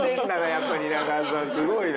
やっぱり蜷川さんすごいな。